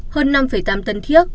hơn năm tám tấn thiếc